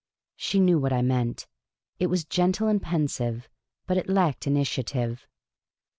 She knew what I meant. It was gentle and pensive, but it lacked initiative.